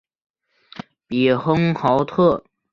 比亨豪特。